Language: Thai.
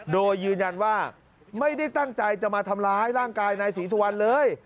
โดยยืนยันว่าไม่ได้ตั้งใจจะมาทำร้ายร่างกายนายศรีสุวรรณเลย